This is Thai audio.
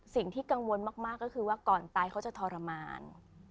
สิ่งที่กังวลมากก็คือว่าก่อนตายเขาจะทรมาน